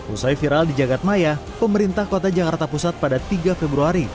usai viral di jagadmaya pemerintah kota jakarta pusat pada tiga februari